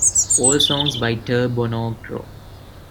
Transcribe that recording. All songs by Turbonegro.